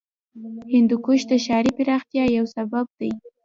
هندوکش د ښاري پراختیا یو سبب دی.